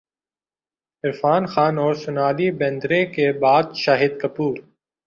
عرفان خان اور سونالی بیندر ے کے بعد شاہد کپور